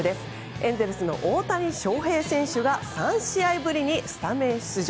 エンゼルスの大谷翔平選手が３試合ぶりにスタメン出場。